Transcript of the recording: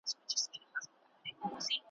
وايي ګناه ده فعل د کفار دی `